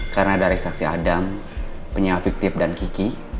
karena ada reaksi adam penyakit tip dan kiki